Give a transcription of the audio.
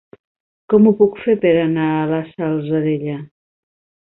Com ho puc fer per anar a la Salzadella?